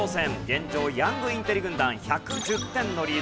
現状ヤングインテリ軍団１１０点のリード。